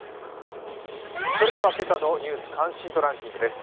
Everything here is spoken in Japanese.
それでは今朝の「ニュース関心度ランキング」です。